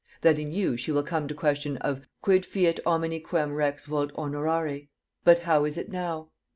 that in you she will come to question of Quid fiet homini quem rex vult honorare? But how is it now?